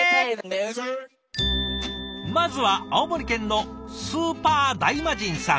まずは青森県のスーパーダイマジンさん。